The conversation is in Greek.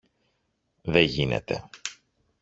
Δε γίνεται!